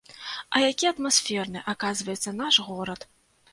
А які атмасферны, аказваецца, наш горад!